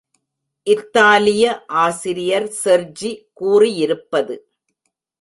இத்தாலிய ஆசிரியர் செர்ஜி கூறியிருப்பது.